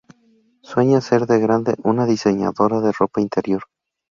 Sueña ser de grande una diseñadora de ropa interior.